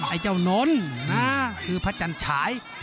ไอ้เจ้าน้นนะคือพระจันฉาย